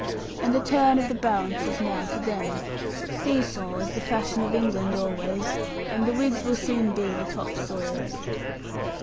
And the turn of the balance is now to them. See saw is the fashion of England always; and the Whigs will soon be the top sawyers.'